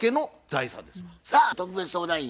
さあ特別相談員